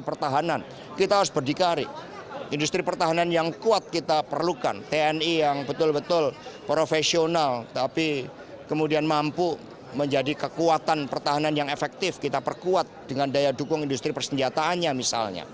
pdip menampu menjadi kekuatan pertahanan yang efektif kita perkuat dengan daya dukung industri persenjataannya misalnya